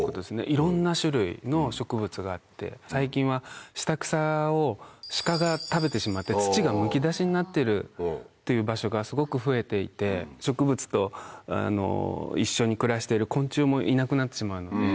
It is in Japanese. いろんな種類の植物があって最近は下草をシカが食べてしまって土がむき出しになってるという場所がすごく増えていて植物と一緒に暮らしている昆虫もいなくなってしまうので。